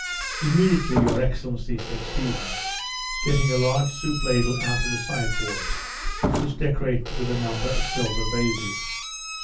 "Immediately, your excellency," said Stephen, getting a large soup ladle out of the sideboard, which was decorated with a number of silver vases.